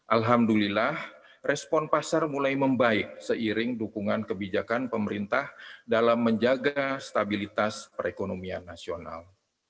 alhamdulillah respon pasar mulai membaik seiring dukungan kebijakan pemerintah dalam menjaga stabilitas perekonomian nasional